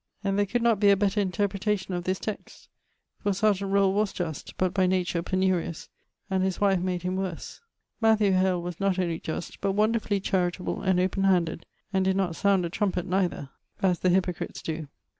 And there could not be a better interpretation of this text. For serjeant Rolle was just, but by nature penurious; and his wife made him worse: Matthew Hale was not only just, but wonderfully charitable and open handed, and did not sound a trumpet neither, as the hypocrites doe.